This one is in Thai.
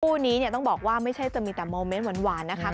คู่นี้เนี่ยต้องบอกว่าไม่ใช่จะมีแต่โมเมนต์หวานนะคะ